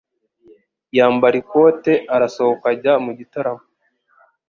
Yambara ikote arasohoka ajya mu gitaramo.